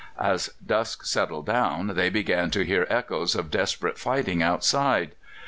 As dusk settled down they began to hear echoes of desperate fighting outside.